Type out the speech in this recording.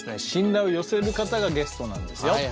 信頼を寄せる方がゲストなんですよ。